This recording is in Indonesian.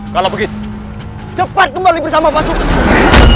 kalau begitu cepat kembali bersama pasukan